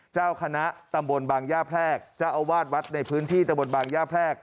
เจ้าคณะตำบลบางย่าแพรกเจ้าอาวาสวัดในพื้นที่ตะบนบางย่าแพรก